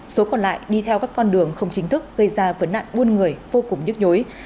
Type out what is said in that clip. số còn lại đi theo các con đường không chính thức gây ra vấn nạn buôn người vô cùng nhức nhối